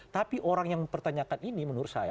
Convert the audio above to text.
tapi orang yang mempertanyakan ini menurut saya